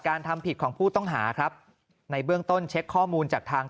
ทำผิดของผู้ต้องหาครับในเบื้องต้นเช็คข้อมูลจากทาง